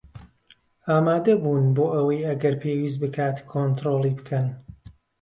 ئامادەبوون بۆ ئەوەی ئەگەر پێویست بکات کۆنترۆڵی بکەن